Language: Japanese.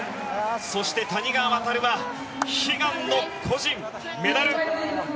そして谷川航は悲願の個人メダル。